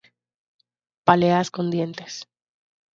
Páleas con dientes.